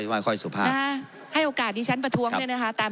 ให้โอกาสดิฉันประท้วงจี้นะคะ